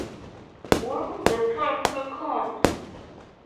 When is the time he comes?